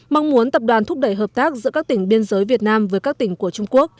mong muốn tập đoàn thúc đẩy hợp tác giữa các tỉnh biên giới việt nam với các tỉnh của trung quốc